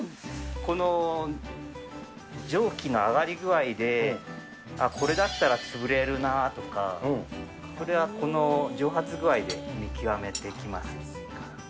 この蒸気の上がり具合で、あっ、これだったら潰れるなとか、それはこの蒸発具合で見極めていきます。